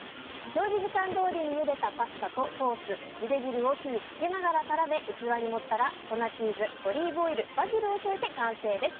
表示時間どおりにゆでたパスタとソース、ゆで汁を火にかけながら絡め器に盛ったら粉チーズ、オリーブオイルバジルを添えて完成です。